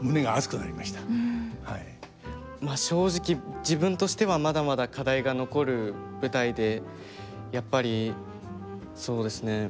まあ正直自分としてはまだまだ課題が残る舞台でやっぱりそうですね。